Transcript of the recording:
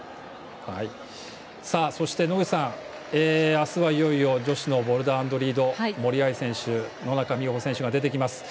そして、野口さん明日はいよいよ女子のボルダー＆リード森秋彩選手、野中生萌選手が出てきます。